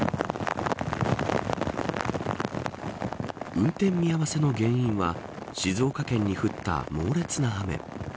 運転見合わせの原因は静岡県に降った猛烈な雨。